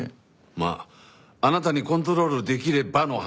まああなたにコントロールできればの話ですが。